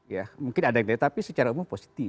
ya mungkin ada yang negatif tapi secara umum positif